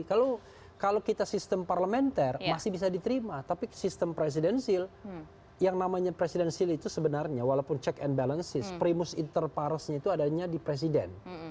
kalau kita sistem parlementer masih bisa diterima tapi sistem presidensil yang namanya presidensial itu sebenarnya walaupun check and balances primus interparesnya itu adanya di presiden